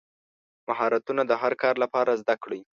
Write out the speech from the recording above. مهارتونه د هر کار لپاره زده کړئ.